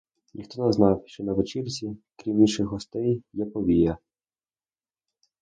Ніхто не знав, що на вечірці, крім інших гостей, є повія.